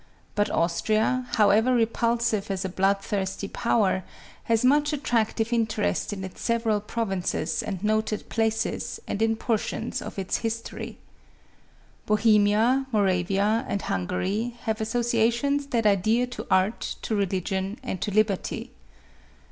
But Austria, however repul sive as a blood thirsty power, has much attractive in terest in its several provinces and noted places, and in portions of its history. Bohemia, Moravia and Hun gary, have associations that are dear to art, to religion, and to liberty.